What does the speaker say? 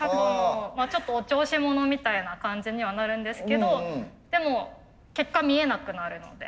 ちょっとお調子者みたいな感じにはなるんですけどでも結果見えなくなるので。